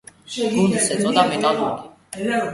გუნდს ეწოდა „მეტალურგი“.